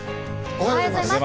おはようございます。